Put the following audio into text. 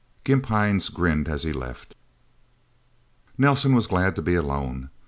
Gimp Hines grinned as he left. Nelsen was glad to be alone.